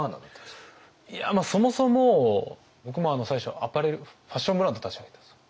いやそもそも僕も最初アパレルファッションブランド立ち上げたんですよ。